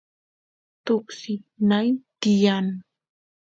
tuksi nay tiyan